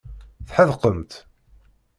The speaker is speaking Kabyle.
Tḥedqemt?